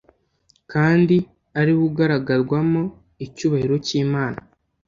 kandi ari we ugaragarwamo icyubahiro cy'Imana!